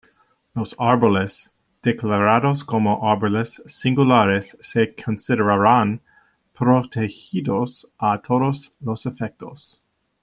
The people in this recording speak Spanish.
Los árboles declarados como árboles singulares se considerarán protegidos a todos los efectos.